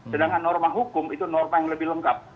sedangkan norma hukum itu norma yang lebih lengkap